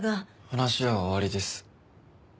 話は終わりです。